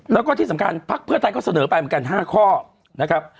แล้วก็ที่สำคัญพักเพื่อไทยก็เสนอไปเหมือนกัน๕ข้อนะครับ